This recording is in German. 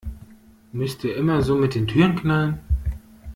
Müsst ihr immer so mit den Türen knallen?